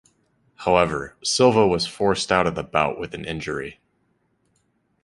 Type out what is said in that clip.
However, Silva was forced out of the bout with an injury.